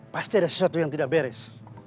pasti ada sesuatu yang tidak beres